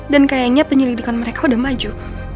dan kayaknya penyelidikan mereka udah maju